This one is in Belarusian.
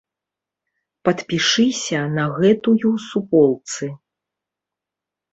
Падпішыся на гэтую суполцы.